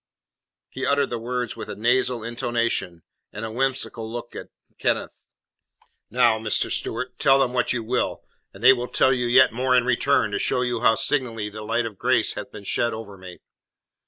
He uttered the words with a nasal intonation, and a whimsical look at Kenneth. "Now, Mr. Stewart, tell them what you will, and they will tell you yet more in return, to show you how signally the light of grace hath been shed over me."